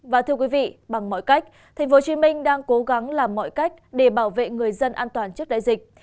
và thưa quý vị bằng mọi cách tp hcm đang cố gắng làm mọi cách để bảo vệ người dân an toàn trước đại dịch